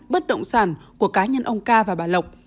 bất động sản của cá nhân ông ca và bà lộc